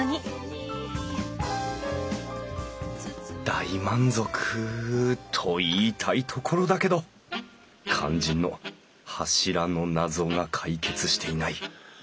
大満足と言いたいところだけど肝心の柱の謎が解決していない。